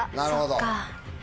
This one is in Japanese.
そっか。